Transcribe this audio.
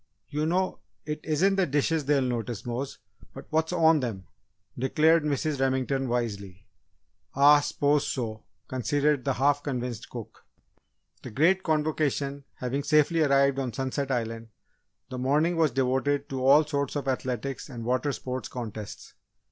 "You know, it isn't the dishes they'll notice, Mose, but what's on them!" declared Mrs. Remington wisely. "Ah s'pose so!" conceded the half convinced cook. The Great Convocation having safely arrived on Sunset Island, the morning was devoted to all sorts of athletics and water sport contests.